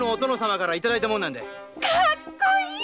かっこいい！